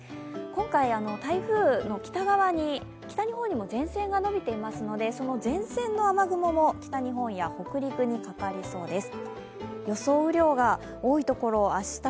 今回、台風の北側に、北日本にも前線が延びていますのでその前線の雨雲も北日本や北陸にかかりそうです。